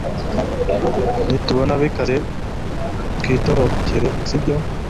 nitubona bikaze twitorokere, sibyo